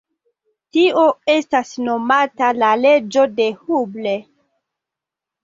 Tio estas nomata la leĝo de Hubble.